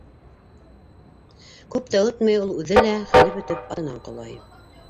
Күп тә үтмәй, ул үҙе лә, хәле бөтөп, атынан ҡолай...